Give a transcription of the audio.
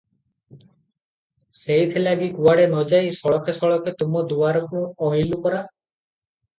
ସେଇଥିଲାଗି କୁଆଡ଼େ ନ ଯାଇ ସଳଖେ ସଳଖେ ତୁମ ଦୁଆରକୁ ଅଇଲୁଁ ପରା!